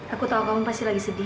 aku tahu kamu pasti lagi sedih